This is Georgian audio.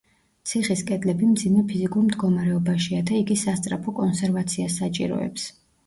ციხის კედლები მძიმე ფიზიკურ მდგომარეობაშია და იგი სასწრაფო კონსერვაციას საჭიროებს.